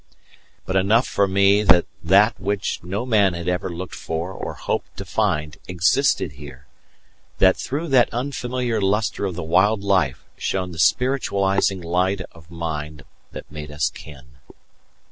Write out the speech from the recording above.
But enough for me that that which no man had ever looked for or hoped to find existed here; that through that unfamiliar lustre of the wild life shone the spiritualizing light of mind that made us kin.